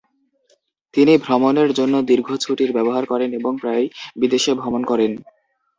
তিনি ভ্রমণের জন্য দীর্ঘ ছুটির ব্যবহার করেন এবং প্রায়ই বিদেশে ভ্রমণ করেন।